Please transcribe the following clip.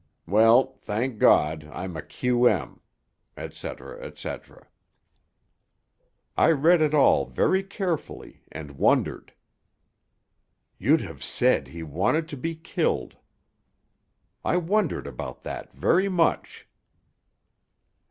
Well, thank God I'm a Q.M., etc. etc.'_ I read it all very carefully, and wondered. 'You'd have said he wanted to be killed.' I wondered about that very much.